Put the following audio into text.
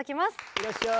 いらっしゃい。